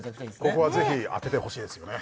ここはぜひ当ててほしいですよね